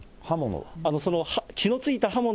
刃物？